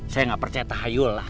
saya nggak percaya tahayul lah